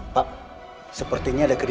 pak tata servantating friend